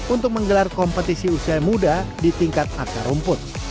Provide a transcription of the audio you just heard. untuk menggelar kompetisi usia muda di tingkat akar rumput